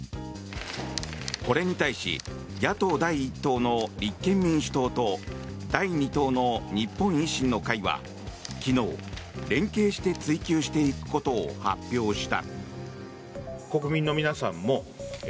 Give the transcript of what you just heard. これに対し野党第１党の立憲民主党と第２党の日本維新の会は昨日連携して追及していくことを発表した。